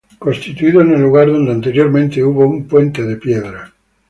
Construido en el lugar donde anteriormente hubo un puente de piedra.